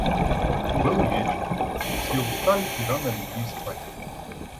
Был вечер; все устали и рано легли спать.